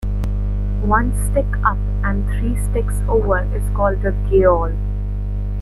One stick up and three sticks over is called "geol".